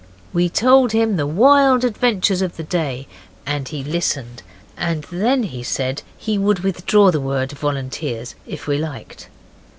We told him the wild adventures of the day, and he listened, and then he said he would withdraw the word volunteers if we liked.